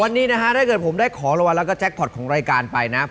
วันนี้นะฮะถ้าเกิดผมได้ของรางวัลแล้วก็แจ็คพอร์ตของรายการไปนะ